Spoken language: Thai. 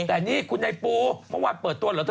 แต่นี่คุณใหญ่ปูมันว่าเปิดต้นเหรอเธอ